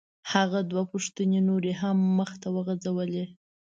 هغه دوه پوښتنې نورې هم مخ ته وغورځولې.